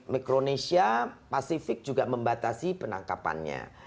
mikronesia pasifik juga membatasi penangkapannya